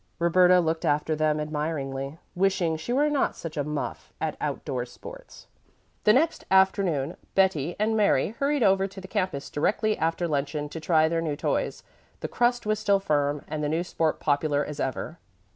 Roberta looked after them admiringly, wishing she were not such a "muff" at outdoor sports. The next afternoon Betty and Mary hurried over to the campus directly after luncheon to try their new toys. The crust was still firm and the new sport popular as ever.